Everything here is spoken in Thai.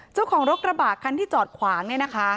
เจ้าของรถกระบะคันที่จอดขวางเนี่ยนะคะ